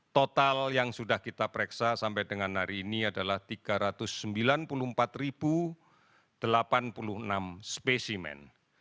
total yang sudah kita pereksa sampai dengan hari ini adalah tiga ratus sembilan puluh empat delapan puluh enam spesimen